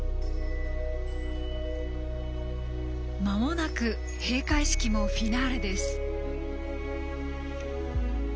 まもなく閉会式もフィナーレです。